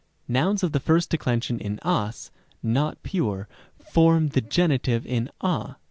Rem. c. Nouns of the first declension in as not pure form the geni tive in a.